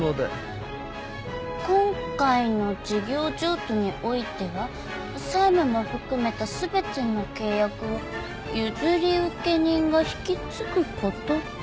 「今回の事業譲渡においては債務も含めた全ての契約を譲受人が引き継ぐこととする」？